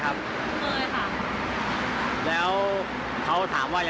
ไปไม่เพราะตามไปหน่อย